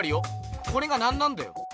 これが何なんだよ？